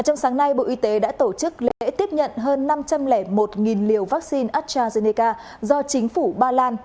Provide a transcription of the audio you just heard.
trong sáng nay bộ y tế đã tổ chức lễ tiếp nhận hơn năm trăm linh một liều vaccine astrazeneca do chính phủ ba lan